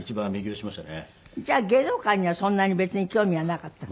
じゃあ芸能界にはそんなに別に興味はなかった。